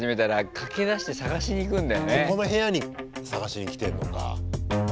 ここの部屋に探しにきてんのか。